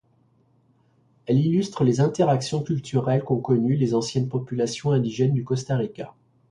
Elle illustre les interactions culturelles qu’ont connues les anciennes populations indigènes du Costa Rica.